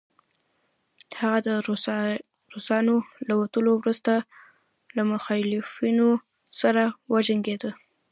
هغه د روسانو له وتلو وروسته له مخالفينو سره وجنګيد